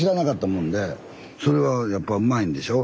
それはやっぱうまいんでしょ？